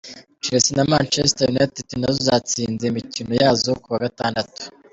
Chelsea na Manchester United nazo zatsinze imikino yazo ku wa Gatandatu.